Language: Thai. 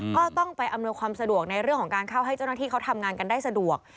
ก็ต้องไปอำนวยความสะดวกในเรื่องของการเข้าให้เจ้าหน้าที่เขาทำงานกันได้สะดวก